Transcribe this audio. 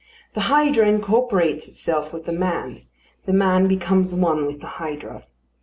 The hydra incorporates itself with the man; the man becomes one with the hydra.